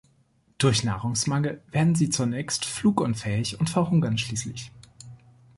Durch Nahrungsmangel werden sie zunächst flugunfähig und verhungern schließlich.